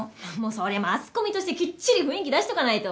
そりゃマスコミとしてきっちり雰囲気出しとかないと。